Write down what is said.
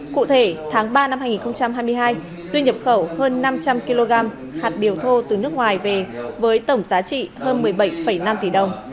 cụ thể tháng ba năm hai nghìn hai mươi hai duy nhập khẩu hơn năm trăm linh kg hạt điều thô từ nước ngoài về với tổng giá trị hơn một mươi bảy năm tỷ đồng